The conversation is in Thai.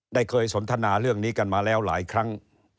ได้เคยสนทนาเรื่องนี้กันมาแล้วหลายครั้ง